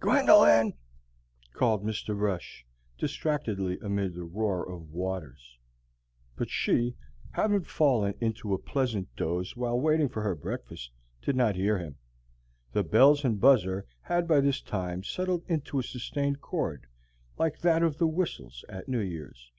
"Gwendolyn!" called Mr. Brush, distractedly amid the roar of waters. But she, having fallen into a pleasant doze while waiting for her breakfast, did not hear him. The bells and buzzer had by this time settled into a sustained chord like that of the whistles at New year's.